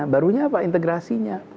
barunya apa integrasinya